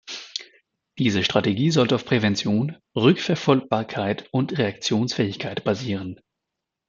Diese Strategie sollte auf Prävention, Rückverfolgbarkeit und Reaktionsfähigkeit basieren.